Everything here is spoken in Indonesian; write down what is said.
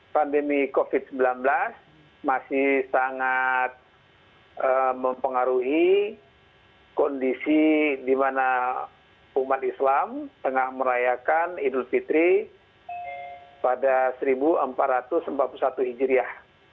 pandemi covid sembilan belas masih sangat mempengaruhi kondisi di mana umat islam tengah merayakan idul fitri pada seribu empat ratus empat puluh satu hijriah